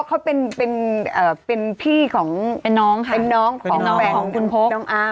เขาเป็นพี่ของเป็นน้องค่ะเป็นน้องของแฟนของคุณพกน้องอาร์ม